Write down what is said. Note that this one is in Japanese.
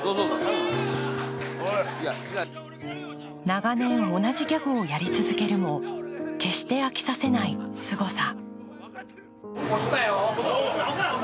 長年、同じギャグをやり続けるも決して飽きさせないすごさ。